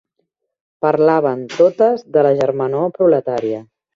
Parlaven, totes, de la germanor proletària